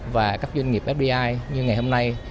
về số dự án fdi còn hiệu lực